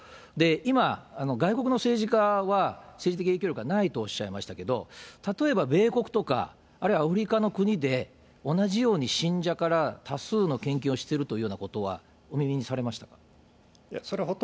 今、外国の政治家は政治的影響力はないとおっしゃいましたけど、例えば米国とか、あるいはアフリカの国で同じように信者から多数の献金をしてるというようなことはお耳にされましたか。